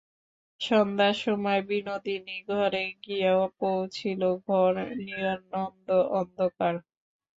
সন্ধ্যার সময় বিনোদিনী ঘরে গিয়া পৌঁছিল–ঘর নিরানন্দ অন্ধকার।